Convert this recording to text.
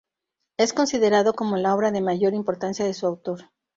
Es considerado como la obra de mayor importancia de su autor.